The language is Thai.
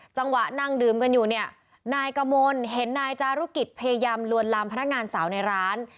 จังหวะนั่งดื่มกันอยู่เนี่ยนายกมลเห็นนายจารุกิจพยายามลวนลามพนักงานสาวในร้าน